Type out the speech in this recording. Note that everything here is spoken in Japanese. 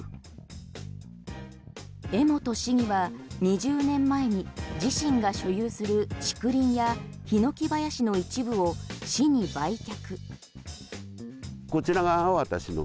江本市議は２０年前に自身が所有する竹林やヒノキ林の一部を市に売却。